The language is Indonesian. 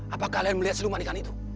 apa kalian melihat siluman ikan itu